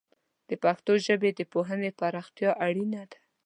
د پښتو ژبې د پوهنې پراختیا اړینه ده.